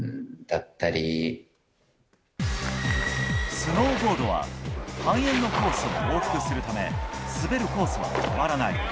スノーボードは半円のコースを往復するため滑るコースが変わらない。